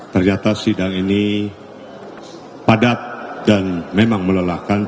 ternyata sidang ini padat dan memang melelahkan